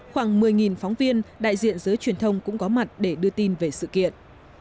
khoảng một mươi phóng viên đại diện giới truyền thông cũng có mặt để đưa tin về sự kiện